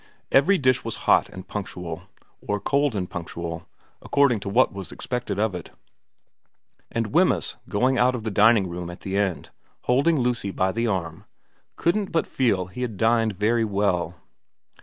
Every dish was hot and punctual, or cold and punctual, according to what was expected of it ; and Wemyss going out of the dining room at the end, holding Lucy by the arm, couldn't but feel he had dined very well.